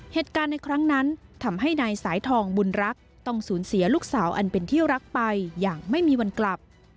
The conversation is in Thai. เหตุการณ์ในครั้งนั้นทำให้นายสายทองบุญรักต้องสูญเสียลูกสาวอันเป็นที่รักไปอย่างไม่มีวันกลับ